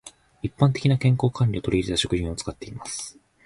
一般的な健康管理を取り入れた食品を使っています。